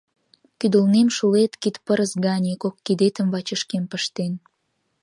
Кӱдылнем шулет кид пырыс гане, кок кидетым вачышкем пыштен.